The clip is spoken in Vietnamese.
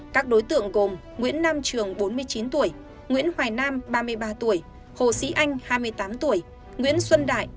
các đối tượng gồm nguyễn nam trường nguyễn hoài nam hồ sĩ anh nguyễn xuân đại